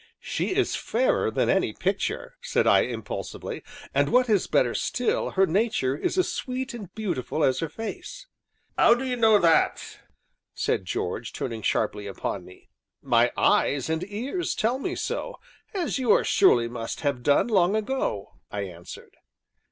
"She is fairer than any picture," said I impulsively, "and what is better still, her nature is as sweet and beautiful as her face!" "'Ow do 'ee know that?" said George, turning sharply upon me. "My eyes and ears tell me so, as yours surely must have done long ago," I answered.